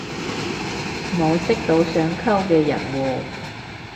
冇識到想溝嘅人喎